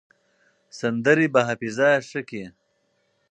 سندرې به حافظه ښه کړي.